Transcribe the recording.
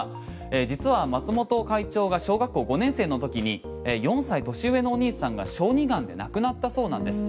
実は松本会長が小学校５年生の時に４歳年上のお兄さんが小児がんで亡くなったそうなんです。